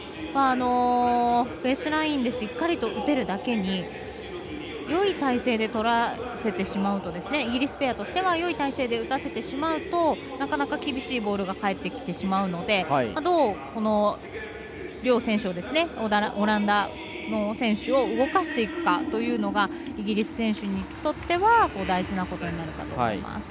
ベースラインでしっかりと打てるだけによい体勢でとらせてしまうとイギリスペアとしてはよい体勢で打たせてしまうとなかなか厳しいボールが返ってきてしまうのでどうオランダの選手を動かしていくかというのがイギリス選手にとっては大事なことになるかと思います。